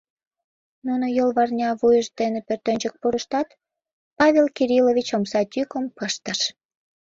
Нуно йолварня вуйышт дене пӧртӧнчык пурыштат, Павел Кириллович омса тӱкым пыштыш.